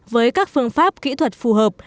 với các phương pháp kỹ thuật phù hợp